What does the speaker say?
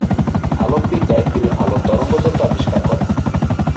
আলোকবিদ্যায় তিনি আলোর তরঙ্গ তত্ত্ব আবিষ্কার করেন।